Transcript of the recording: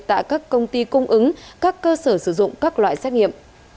tại các công ty cung ứng các cơ sở sử dụng các loại xét nghiệm